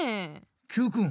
Ｑくん